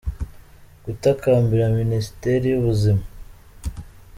gutakambira Minisiteri y’Ubuzima.